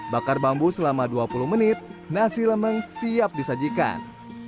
bakar bambu selama dua puluh menit nasi lemeng siap disajikan